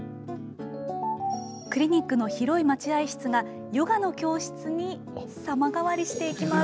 クリニックの広い待合室がヨガの教室に様変わりしていきます。